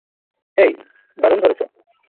হেই, দারুণ ধরেছ।